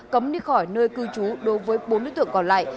cấm đi khỏi nơi cư trú đối với bốn đối tượng còn lại